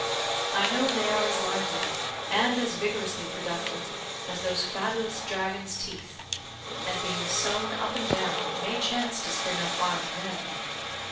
I know they are as lively, and as vigorously productive, as those fabulous dragon's teeth; and being sown up and down, may chance to spring up armed men.